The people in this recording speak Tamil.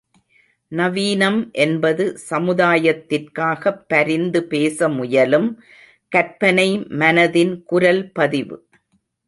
நவீனம் என்பது சமுதாயத்திற்காகப் பரிந்து பேச முயலும் கற்பனை மனத்தின் குரல் பதிவு.